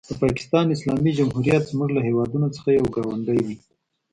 د پاکستان اسلامي جمهوري دولت زموږ له هېوادونو څخه یو ګاونډی دی.